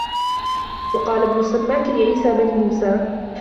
وَقَالَ ابْنُ السَّمَّاكِ لِعِيسَى بْنِ مُوسَى